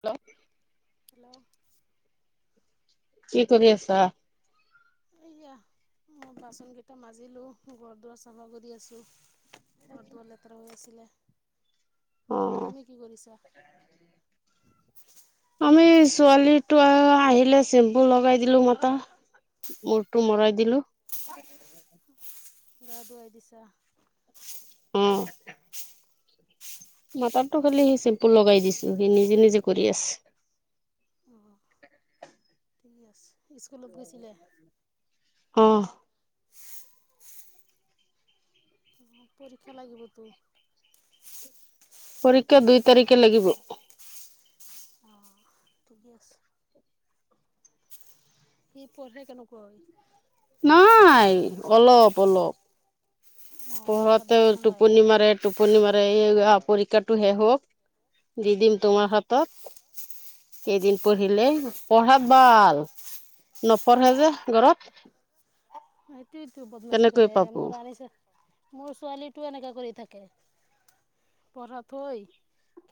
Hello hello কি কৰি আছা? উ মই বাচন কেইটা মাজিলো ঘৰ দুৱাৰ চাফা কৰি আছো ঘৰ দুৱাৰ লেতেৰা হৈ আছিলে। অ' তুমি কি কৰিছা? আমি ছোৱালী আহিলে চেম্পু লগাই দিলো মাতা ম টো মৰাই দিলো গা ধুৱাই দিছা? অ'। [unintelligible] খালি সি চেম্পু লগাই দিছো সি নিজে নিজে কৰি আছে অ' ঠিক আছে। স্কুলত গৈছিলে আহ। অ' পৰীক্ষা লাগিবতো পৰীক্ষা দুই তাৰিখে লাগিব। অ' ঠিকে আছে। সি পঢ়ে কেনেকুৱা? নাই অলপ অলপ অঁ পঢ়াত পোহতেও ভাল নহয় টোপনি মাৰে টোপনি মাৰে এই পৰীক্ষাটোহে হওক দি দিম তোমাৰ হাতত কেইদিন পঢ়িলে পঢ়াত ভাল নপঢ়ে যে ঘৰত। টোৱে ত বদমছী কেনেকৈ কৰে পাব মোৰ ৰাণিছে মোৰ ছোৱালীটো এনেকা কৰি থাকে। পঢ়াত থৈ,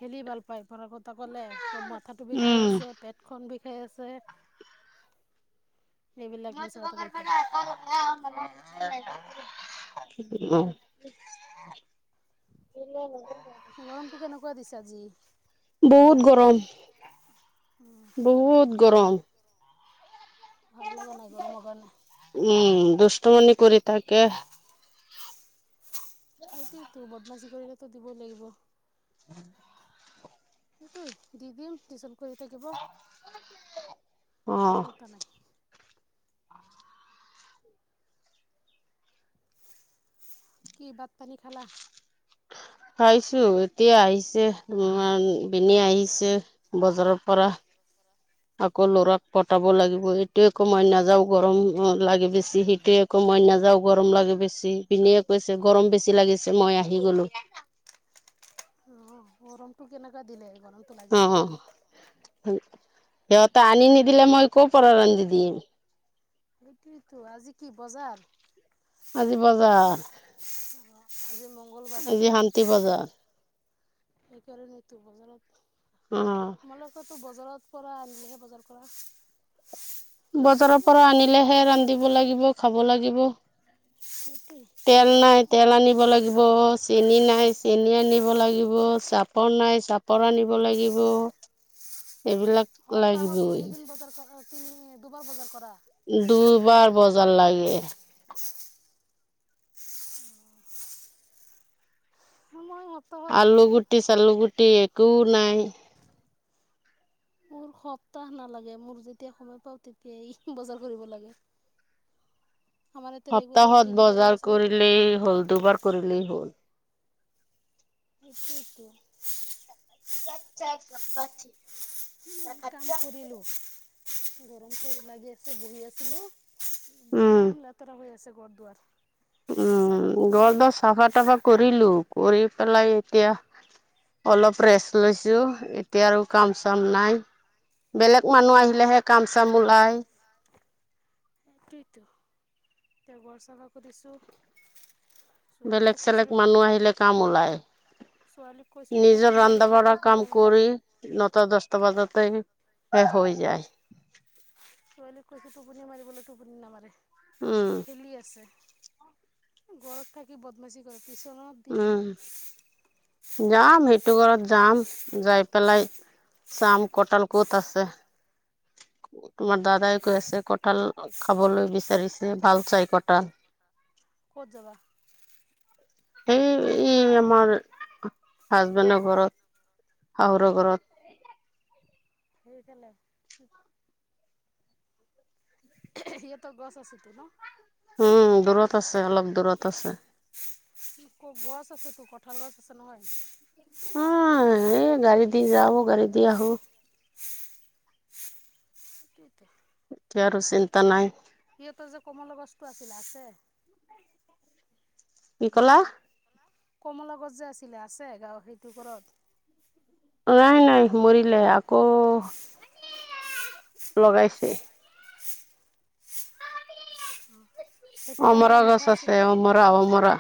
খেলি ভাল পাই পঢ়া কথা কলে মাথাটো বিষাই উম আছে, পেটখন বিষাই আছে। এইবিলাক ন মিছা তোমা কথা ঘ কৈ থাকে ম মানে উ গৰমটো কেনেকুৱা দিছে আজি? তোমাৰ বহুত ইয়াতে গৰম বহুত গৰম। ভাল লগা নাই গৰমৰ কাৰণে। মণ কৰি থাকে সেইটোৱেইতো বদমাছি কৰিলেটো দিবই লাগিব। উম সেইটোৱেই দি দিম টিউশন কৰিথাকিব অ চিন্তা নাই। কি বাট পানী খালা? খাইছো এতিয়া আহিছে ত পনে আহিছে বজাৰৰ পৰা আকৌ লৰাক পতাব লাগিব এইটোয়ে একমই নাযাও গৰম লাগে বেছি সেইটোয়ে কম মই নাযাও গৰম লাগে বেছি লাগে, কৈছে গৰম বেছি লাগিছে মই আহি গলো। অ' গৰম টো কেনেকা দিলে গৰমটো অ'। লাগিবই সত আনি নিদিল মই ক' পৰা ৰঞ্জ দিম। সেইটতো আজি কি বজাৰ আজি বজাৰ অঁ আজি মংগলবাৰটো আজি শান্তি বজাৰ। এইকাৰণে তো বজ অ' টো বজাৰৰ পৰা আনিলেহে বজাৰৰ পৰা খ ল সেইটোৱেই তেল নাই তেল আনিব লাগিব অ চেনি নাই এিন আনিব লাগিব চাপৰ নাই চাপৰ আনিব লাগিব এইবিলাক লাগিবই তুমি দুবাৰ বজাৰ কৰা। দুবাৰ বজাৰ লাগে মই সপ্তাহত আলু গুটি চালু গুটি একোও নাই মোৰ সপ্তাহ নালাগে মোৰ যেতিয়া সময় পাও তেতিয়াই বজাৰ কৰিব লাগে আমাৰ ইয়াতে ৰেগুলাৰ সপ্তাহত ডেইলি বজাৰ আছে। কৰিলেই হ'ল দুবাৰ কৰিলেই হ'ল সেইটোয়ে টো, ্ চা এক চ পি কাম কৰিলো গৰম চ লাগি আছে বহি আছিলো। উম একদম লেতেৰা হৈ আছে ঘৰ দুৱাৰ এতিয়া চাফা উম গৰ কৰিছোঁ। দছ চাফা তাফা কৰিলো কৰি পেলাই এতিয়া অলপ ৰেষ্ট লৈছো এতিয়া আৰু কাম চাম নাই। বেলেগ মানুহ আহিলেহে কাম চাম ওলাই। টইটো এ গৰ চাল ক দিছোঁ। বেলেগ চেলেগ মানুহ আহিলে কাম ওলায়। ছোৱালীক কৈছিলোঁ নিজৰ টোপনি ৰান্ধা মাৰিবলৈ বঢ়া টোপনি কাম নামাৰে। কৰি নটা, দছটা বজাত ত হৈ যায়। কৈছো টোপনি মাৰিবলৈ টোপনি নামাৰে। উম খেলি আছে। ঘৰত থাকি বদমাচি কৰে। টিউচনত দি দিম উম। যাম সেই সেইটো ঘৰত। যায় পেলাই চাম কঁঠাল কত আছে। [inaudible] তোমাৰ দাদাই কৈ আছে কঁঠাল খাবলৈ বিচাৰিছে ভাল চাই কটা। ক'ত যাবা সেই ই আমাৰ হাজবেণ্ডৰ ঘৰত শাহুৰ অ ঘৰত [unintelligible] ইয়ঁতৰ গছ আছে তো ন উম দূৰত আছে অলপ দূৰত আছে আছে তো কঁঠাল গছ আছে নহয় উ এই গাড়ী দি যাওঁ গাড়ী দি আহো [inaudible] এতিয়া আৰু চিন্তা নাই সিহঁতৰ যে কোমল বস্তু আছিল আছে কি কলা কমলা গছ যে আছিলে আছে গাঁও সেইটো ঘৰত নাই নাই মৰিলে আকৌ লগাইছে সেইটো কমলা অমৰা গছ মিঠা আছে আছিলে অ অমৰা অমৰা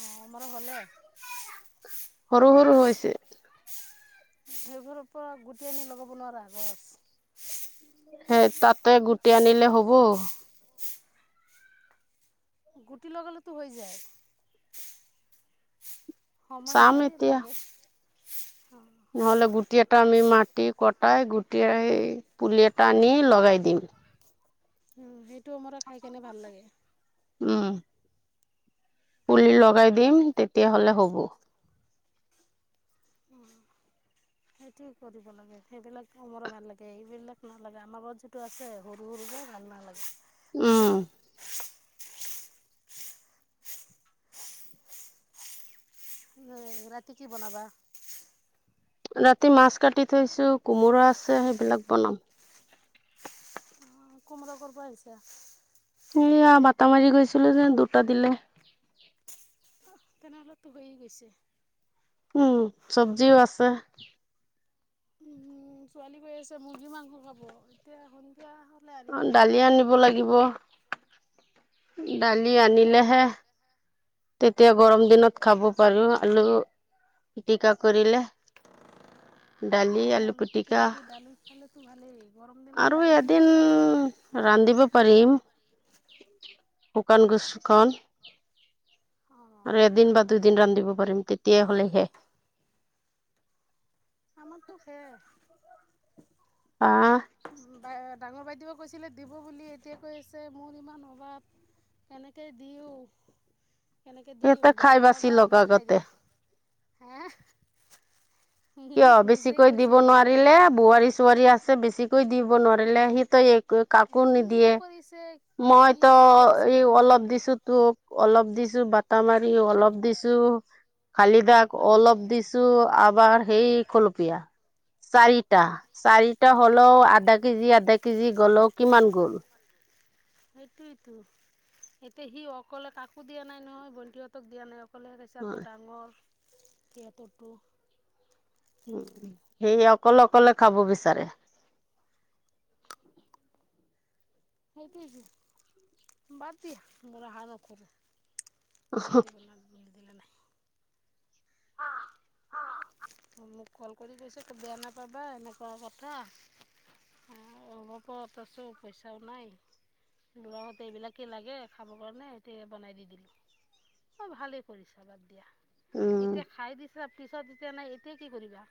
অ মোৰ ভালে সৰু সৰু হৈছে সেইঘৰৰ পৰা গুটেই আনি লগাব নোৱাৰা গছ সেই তাতে গুটি আনিলে হব গুটি লগালেটো হৈ যায় সময় চাম হয় এতিয়া লাগে নহ'লে গুটি এটা আমি কি কটাই গুটেই সেই পুলি এটা আনি লগাই দিম উ সেইটো অমৰা খাই কেনে ভাল লাগে উম পুলি লগাই দিম তেতিয়াহলে হ'ব উম সেইটোৱে কৰিব লাগে সেইবিলাক অমৰা ভাল লাগে এইবিলাক নালাগে আমাৰ ঘৰত যিটো আছে সৰু সৰুবে ভাল ভাল উম আছে ৰাতি কি বনাবা ৰাতি মাছ কাটি থৈছো কোমোৰা আছে সেইবিলাক বনাম কোমোৰা কৰপৰা আহিছে সেয়া বাত মাৰি গৈছিলো যে দুটা দিলে তেনেহলেতো হৈ গৈছে উম চবজিও আছে উ উম ছোৱালী কৈ আছে মুৰ্গী মাংস খাব এতিয়া হ'লে আনিব লাগিব দালি আনিব লাগিব দালি আনিলেহে তেতিয়া গৰম দিনত খাব পাৰো আলু পিটিকা কৰিলে সেইটো আলু পিটিকা দি দালু খালে তো ভালেই গৰম দিনত আৰু দালি এদিন পাত ৰান্ধিব পাৰিম শুকান গুচখন আৰু অঁ এদিন বা দুইদিন ৰান্ধ দিব পাৰিম তেতিয়াই হ'লেহে আমাৰটো খে আহ বা ডাঙৰ বাইদেউে কৈছিলে দিব বুলি এতিয়াই কৈ আছে মোৰ ইমান অভাৱ কেনেকে দিওঁ কেনেকে দিম সিহঁতে বেয়া খাই বাচি নাপাাবা লওক মই খাই আগতে দিলো হা কিয় গুৰু বেছিকৈ দিব নোৱাৰিলে বোৱাৰী চোৱাৰী আছে বেছিকৈ দিব নোৱাৰিলে সিটো কাকো কি নিদিয়ে। কৰিছে কি মইতো কৰিছে এই সি অলপ জানে দিছো তোক অলপ দিছো বটা মাৰি অলপ দিছো খালি দাক। আকৌ অলপ অ দিছো আবাৰ সেই খলপীয়া চাৰিটা। চাৰিটা হলেও আধা কেজি আধা কেজি গলেও কিমান গ'ল সেইটোয়তো। এতিয়া সি অকলে কাকো দিয়া নাই নহয় বন্টিহঁতক দিয়া নাই কলে গৈছাক আকৌ ডাঙৰ। জেট টো উম। স অকলে, অকলে খাব বিচাৰে। সেইটোটো বাদ দিয়া। বৰা হাত ন দিলে দিব নিদিলে নাই। অ' মোক কল কৰি কৈছে তো বেয়া নাপাবা এনেকুৱা কথা অ' হ'ব ত চো পইচাও নাই লৰাহঁতে এইবিলাকে লাগে খাবৰ কাৰণে সতিয়া বনাই দি দিলো। অ' ভালেই কৰিছা বাদ দিয়া। উম এতিয়া খাই দিছা পিছত এতিয়া নাই এতিয়া কি কৰিবা।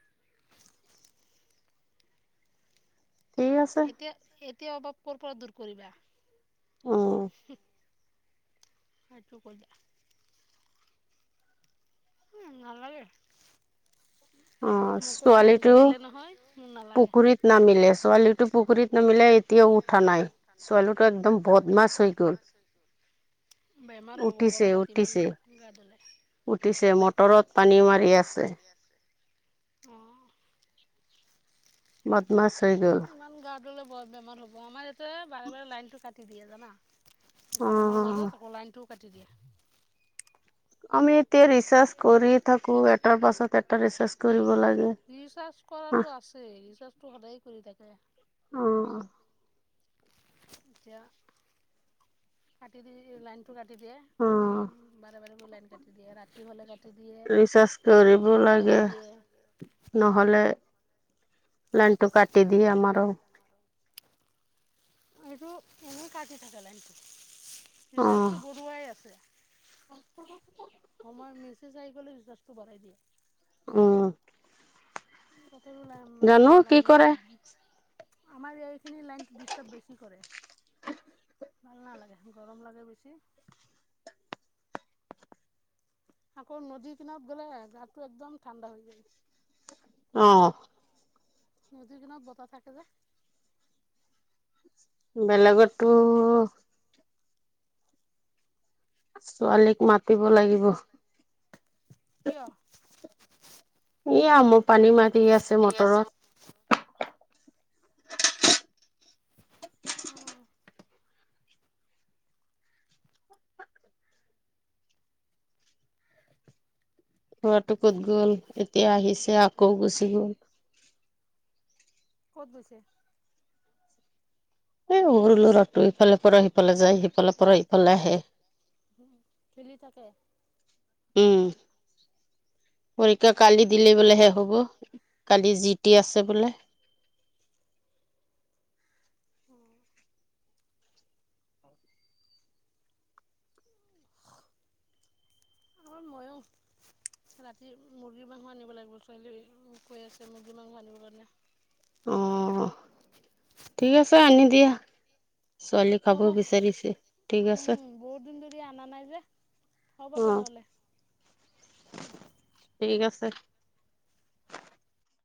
ঠিক আছে এতিয়া এতিয়া অভাৱ ক'ৰ পৰা দূৰ কৰিবা। উম সটো কৰিলে। উম নালাগে। অ মই কৈছো মোক ছোৱালীটো দিলে নহয়। মোক নালাগে পুখুৰীত নামিলে ছোৱালীটো পুখুৰীত নামিলে এতিয়াও উঠা নাই ছোৱালীটো একদম ব বদমাছ হৈ গ'ল বেমাৰ হ'ব উঠিছে গৰমত ইমান উঠিছে গা ধালে উঠিছে মটৰত পানী মাৰি আছে উ বদমাছ হৈ গ'ল ইমান গা ধলে বৰ বেমাৰ হব আমাৰ ইয়াতে বাৰে বাৰে লাইন টো কাটি দিয়ে জানা অ গৰমৰ মাজত আকৌ লাইন টো কাটি দিয়া। আমি এতিয়া ৰিচাৰ্্চ কৰি থাকোঁ এটাৰ পাছত এটা ৰিচাৰ্্চ কৰিব লাগে ৰিচাৰ্জ কৰাটো আছেই ৰিচাৰ্জটো সদায় কৰি থাকে অ অ আছা কাটি দি লাই টো কাটি দিয়ে অ বাৰে বাৰে গৈ লাইন কাটি দিয়ে ৰাতি হ'লে কাটি দিয়ে দৌৰিব দিনত কাটি লাগে দিয়ে নহ'লে। লণ্টু কাটি দিয়ে আমাৰ। এইটো এনেই কাটি থাক লনটো হচাপটো অ', বৰুৱাই আছে সময় ম গ'লে বিশ্বটোঢ়াই দিয়ে আহ তথাপিও লাই মানে জানো কি লাইনটো কৰে। আমাৰ এই এইখিনি লাইন ডিাৰ বেছি কৰে ভাল নালাগে গৰম লাগে বেছি। আকৌ নদীৰ কিনত গ'লে গাটো একদম ঠাণ্ডা হৈ যায়। অ'। মজুনাথ বতাহ থাকে যে বেলগতো, ছোৱালীক মাতিব লাগিব। কিয়? এয়া মোৰ পানী মাটি আছে মটৰত। ৰাটো ক'ত গ'ল এতিয়া আহিছে আকৌ গুচি গ'ল। ক'ত গৈছে? এ সৰু ল'ৰাটো ইফালে পৰা সিফালে যায়, সিফালৰ পৰা ইফালে আহে। উম, খেলি থাকে। উম, পৰীক্ষা কালি দিলে বোলেহে হ'ব, কালি যি টি আছে বোলে। অ'। আৰু ময়ো ৰাতি মুৰ্গী মাংস আনিব লাগিব, ছোৱালী কৈ আছে মুৰ্গী মাংস আনিবৰ কাৰণে। অ', ঠিক আছে, আনি দিয়া। ছোৱালী খাব হ'ব, বিচাৰিছে ঠিক আছে উম, বহুত দিন ধৰি আনা নাই যে। হ'ব অ তেনেহ'লে। [unintelligible]